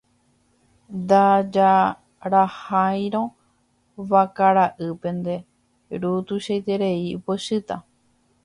Ndajaraháirõ vakara'ýpe nde ru tuichaiterei ipochýta.